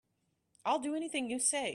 I'll do anything you say.